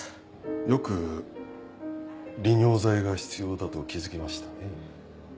よく利尿剤が必要だと気付きましたね。